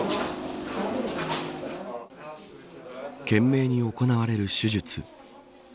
懸命に行われる手術。